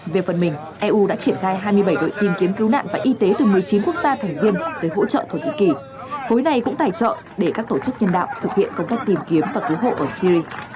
về phần mình eu đã triển khai hai mươi bảy đội tìm kiếm cứu nạn và y tế từ một mươi chín quốc gia thành viên tới hỗ trợ thổ nhĩ kỳ khối này cũng tài trợ để các tổ chức nhân đạo thực hiện công tác tìm kiếm và cứu hộ ở syri